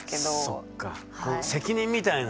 そっか責任みたいなのがね。